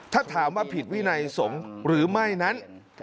ถ้าถามว่าผิดวินัยสงฆ์หรือไม่นั้น